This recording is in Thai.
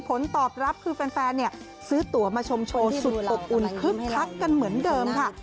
ผลตอบรับคือแฟนซื้อตัวมาชมโชว์สุดอบอุ่นคึกคักกันเหมือนเดิมค่ะ